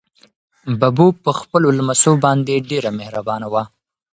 ببو په خپلو لمسو باندې ډېره مهربانه وه.